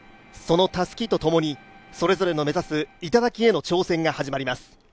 そのたすきとともに、それぞれの目指すいただきへの朝鮮が始まります。